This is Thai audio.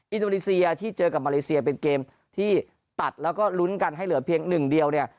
อินโดนีเซียที่เจอกับมาเลเซียเป็นเกมที่ตัดแล้วก็ลุ้นกันให้เหลือเพียงหนึ่งเดียวเนี่ย